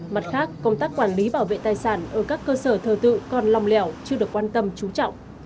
mặt khác công tác quản lý bảo vệ tài sản ở các cơ sở thờ tự còn lòng lẻo chưa được quan tâm trú trọng